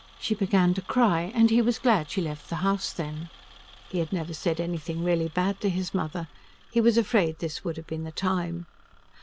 She began to cry, and he was glad she left the house then. He had never said anything really bad to his mother. He was afraid this would have been the time.